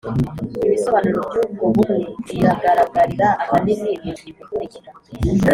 Ibisobanuro by'ubwo bumwe biragaragarira ahanini mu ngingo ikurikira.